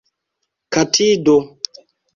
katido